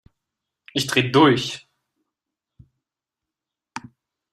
Ich dreh durch!